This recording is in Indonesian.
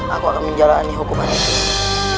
aku akan menjalani hukuman itu